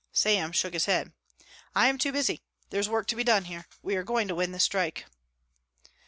Sam shook his head. "I am too busy. There is work to be done here. We are going to win this strike."